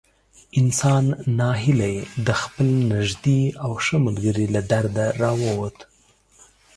انسان نا هیلی د خپل نږدې او ښه ملګري له دره را ووت.